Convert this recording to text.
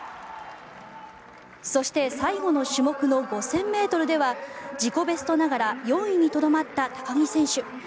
そして、最後の種目の５０００ｍでは自己ベストながら４位にとどまった高木選手。